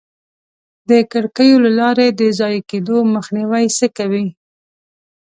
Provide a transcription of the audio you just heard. د کړکیو له لارې د ضایع کېدو مخنیوی څه کوئ؟